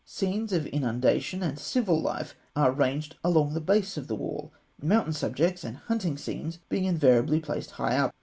Scenes of inundation and civil life are ranged along the base of the wall, mountain subjects and hunting scenes being invariably placed high up.